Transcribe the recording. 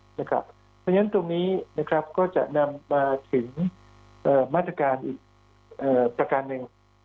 เพราะฉะนั้นตรงนี้ก็จะนำมาถึงมาตรการอีกประการหนึ่ง